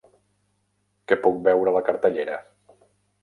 Què puc veure la cartellera